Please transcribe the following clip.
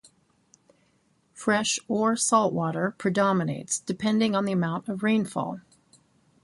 Fresh or salt water predominates depending on the amount of rainfall.